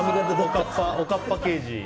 おかっぱ刑事。